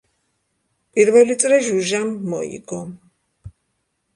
პირველი წრე ჟუჟამ მოიგო.